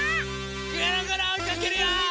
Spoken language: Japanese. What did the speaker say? ぐるぐるおいかけるよ！